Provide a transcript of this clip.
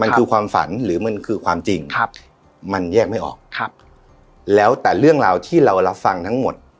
มันคือความฝันหรือมันคือความจริงครับมันแยกไม่ออกครับแล้วแต่เรื่องราวที่เรารับฟังทั้งหมด